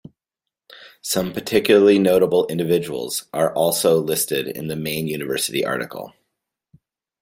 Some particularly notable individuals are also listed in the main University article.